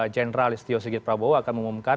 jeneral istio segit prabowo akan mengumumkan